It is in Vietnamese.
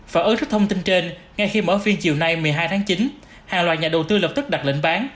và ở thức thông tin trên ngay khi mở phiên chiều nay một mươi hai tháng chín hàng loạt nhà đầu tư lập tức đặt lệnh bán